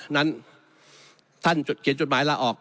นั้นท่านเขียนจดหมายลาออก